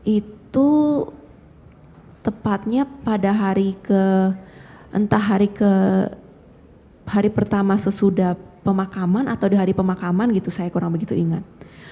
itu tepatnya pada hari ke entah hari ke hari pertama sesudah pemakaman atau di hari pemakaman gitu saya kurang begitu ingat